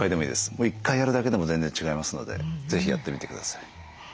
もう１回やるだけでも全然違いますので是非やってみてください。